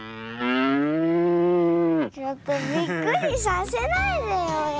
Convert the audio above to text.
ちょっとびっくりさせないでよやるから。